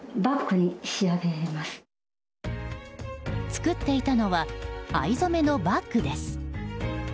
作っていたのは藍染めのバッグです。